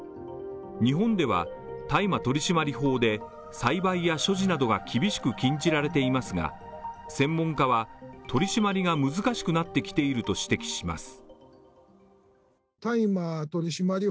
日本では大麻取締法で栽培や所持などが厳しく禁じられていますが、専門家は取り締まりが難しくなってきていると指摘します。